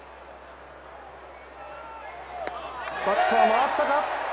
バットは回ったか？